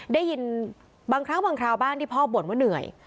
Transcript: ได้ยินบางครั้งบางคราวบ้านที่พ่อบ่นว่าเหนื่อย